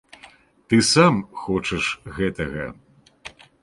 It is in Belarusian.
Ты сам хочаш гэтага.